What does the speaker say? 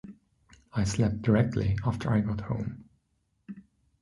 I slept directly after I got home.